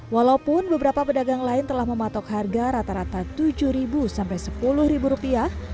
walaupun beberapa pedagang lain telah mematok harga rata rata tujuh sampai sepuluh rupiah